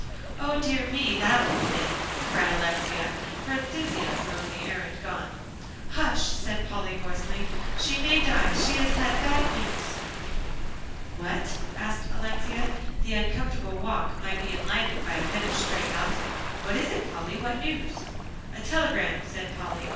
"O, dear me! that old thing," cried Alexia, her enthusiasm over the errand gone. "Hush!" said Polly hoarsely; "she may die. She has had bad news." "What?" asked Alexia; the uncomfortable walk might be enlivened by a bit of stray gossip; "what is it, Polly? What news?" "A telegram," said Polly.